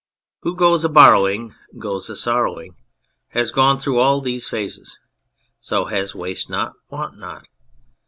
" Who goes a borrowing goes a sorrowing " has gone through all these phases ; so has " Waste not want not."